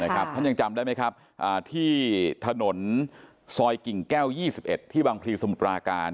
ท่านยังจำได้ไหมครับที่ถนนซอยกิ่งแก้ว๒๑ที่บางพลีสมุทรปราการ